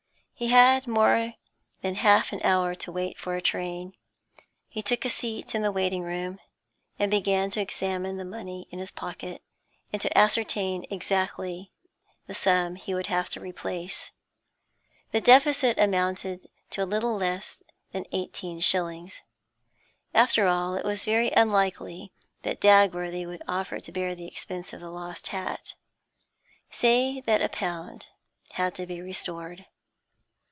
He had more than half an hour to wait for a train. He took a seat in the waiting room, and began to examine the money in his pocket, to ascertain exactly the sum he would have to replace. The deficit amounted to a little less than eighteen shillings. After all, it was very unlikely that Dagworthy would offer to bear the expense of the lost hat. Say that a pound had to be restored.